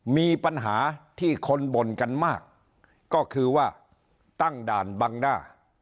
มีปัญหาที่คนบ่นกันมากก็คือว่าตั้งด่านบังหน้า